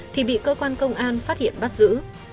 thì bị cơ quan công an phát hiện bắt giữ